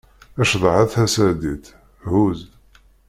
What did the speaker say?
Cḍeḥ a Taseɛdit, huz!